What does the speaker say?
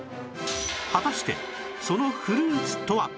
果たしてそのフルーツとは